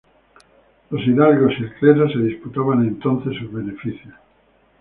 Los hidalgos y el clero se disputaban entonces sus beneficios.